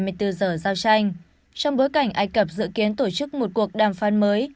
chỉ trong vòng hai mươi bốn giờ giao tranh trong bối cảnh ai cập dự kiến tổ chức một cuộc đàm phan mới